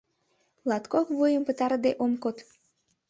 Латкок вуйым пытарыде ом код!